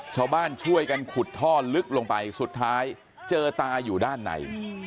ชาวบ้านช่วยกันขุดท่อลึกลงไปสุดท้ายเจอตาอยู่ด้านใน